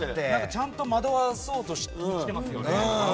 ちゃんと惑わそうとしてきてますよね。